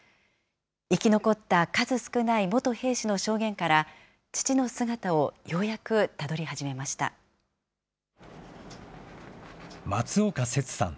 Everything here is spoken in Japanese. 生き残った数少ない元兵士の証言から、父の姿をようやくたどり始松岡節さん